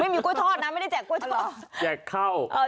ไม่มีกล้วยทอดนะไม่ได้แจกกล้วยทอด